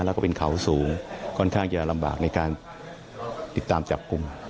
แล้วก็เป็นเขาสูงค่อนข้างจะลำบากในการติดตามจับกลุ่ม